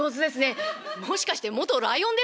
もしかして元ライオンですか？」。